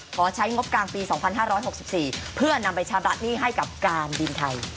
ขอใช้งบกลางปี๒๕๖๔เพื่อนำไปชำระหนี้ให้กับการบินไทย